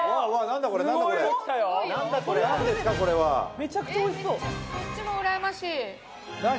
何ですかこれはめちゃくちゃおいしそう何？